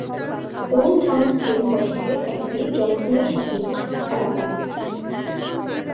Old town spring বসন্তে একটি জনপ্রিয় শপিং এলাকা।